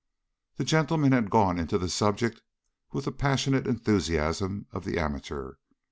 That gentleman had gone into the subject with the passionate enthusiasm of the amateur.